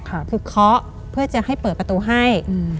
คือเคาะเพื่อจะให้เปิดประตูให้อืม